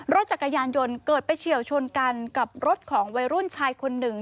รถจักรยานยนต์เกิดไปเฉียวชนกันกับรถของวัยรุ่นชายคนหนึ่ง